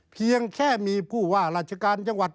เพียงแค่มีผู้ว่าราชการจังหวัด